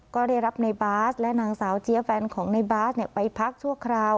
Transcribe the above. ก็ได้รับในบาสและนางสาวเจี๊ยแฟนของในบาสไปพักชั่วคราว